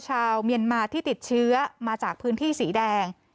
ชาวเมียนมาที่ติดเชื้อมาจากพื้นที่สีแดง